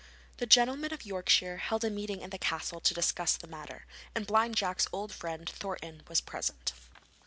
The gentlemen of Yorkshire held a meeting in the castle to discuss the matter, and Blind Jack's old friend, Thornton, was present.